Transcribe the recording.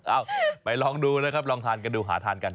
เอาไปลองดูนะครับลองทานกันดูหาทานกัน